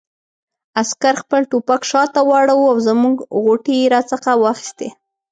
عسکر خپل ټوپک شاته واړاوه او زموږ غوټې یې را څخه واخیستې.